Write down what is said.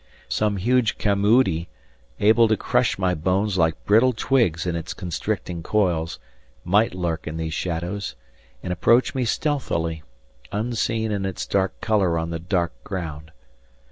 Some huge camoodi, able to crush my bones like brittle twigs in its constricting coils, might lurk in these shadows, and approach me stealthily, unseen in its dark colour on the dark ground.